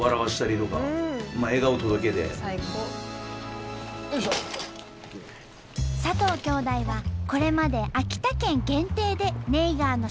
佐藤兄弟はこれまで秋田県限定でネイガーのショーを開催。